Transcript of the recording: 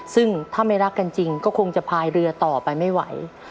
ซึ่งถ้าไม่รักกันจริงก็คงจะพายเรือต่อไปไม่ไหว